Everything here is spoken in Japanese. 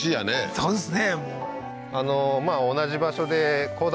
そうですね